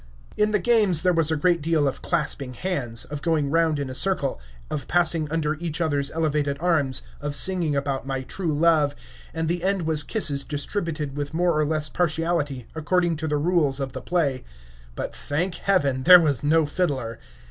In the games there was a great deal of clasping hands, of going round in a circle, of passing under each other's elevated arms, of singing about my true love, and the end was kisses distributed with more or less partiality, according to the rules of the play; but, thank Heaven, there was no fiddler.